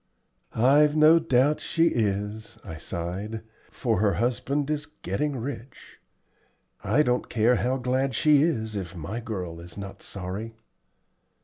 "I've no doubt she is," I sighed, "for her husband is getting rich. I don't care how glad she is if my girl is not sorry."